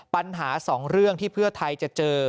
ปัญหาสองเรื่องที่เพื่อไทยจะเจอ